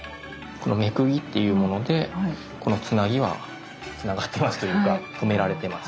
この目釘っていうものでこのつなぎはつながってますというか留められてます。